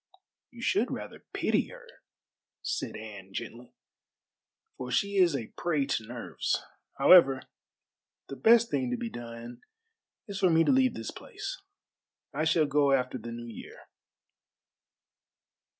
"You should rather pity her," said Anne gently, "for she is a prey to nerves. However, the best thing to be done is for me to leave this place. I shall go after the New Year."